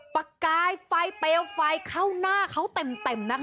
ประกายไฟเปลวไฟเข้าหน้าเขาเต็มนะคะ